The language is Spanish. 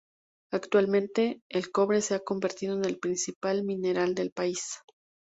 Actualmente, el cobre se ha convertido en el principal mineral del país.